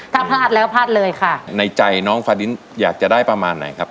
ถ้าพลาดแล้วพลาดเลยค่ะในใจน้องฟาดินอยากจะได้ประมาณไหนครับ